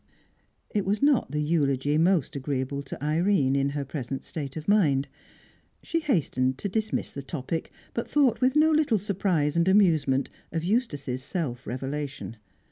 It was not the eulogy most agreeable to Irene in her present state of mind. She hastened to dismiss the topic, but thought with no little surprise and amusement of Eustace's self revelation.